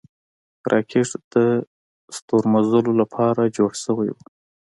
راکټ د ستورمزلو له پاره جوړ شوی و